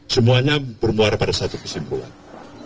semuanya bermuara pada satu kesimpulan